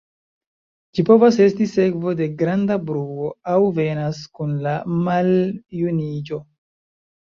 Ĝi povas esti sekvo de granda bruo, aŭ venas kun la maljuniĝo.